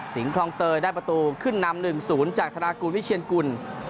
คลองเตยได้ประตูขึ้นนำ๑๐จากธนากูลวิเชียนกุล